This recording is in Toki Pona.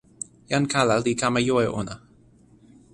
jan kala li kama jo e ona.